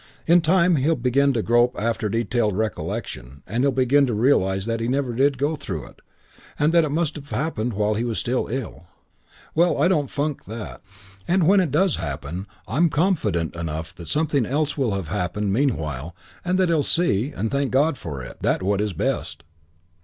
In time he'll begin to grope after detailed recollection, and he'll begin to realise that he never did go through it and that it must have happened while he was ill. Well, I don't funk that. That won't happen yet awhile; and when it does happen I'm confident enough that something else will have happened meanwhile and that he'll see, and thank God for it, that what is is best.